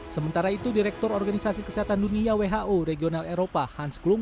sementara itu direktur organisasi kesehatan dunia who regional eropa hans klung